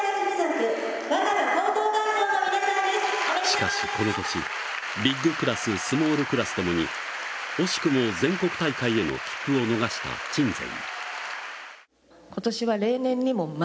しかし、この年、ビッグクラススモールクラス共に惜しくも全国大会への切符を逃した鎮西。